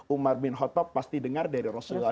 umar bin khattab pasti dengar dari rasulullah